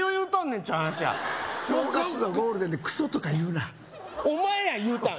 っちゅう話や正月のゴールデンでクソとか言うなお前や言うたん